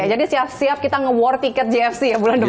jadi siap siap kita nge war ticket jfc ya bulan depan